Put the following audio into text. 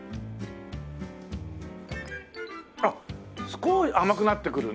あっ甘くなってくるね。